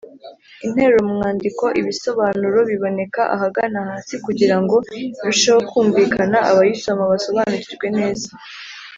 interuro mu mwandiko Ibisobanuro biboneka ahagana hasi kugirango irusheho ku mvikana abayisoma basobanukirwe neza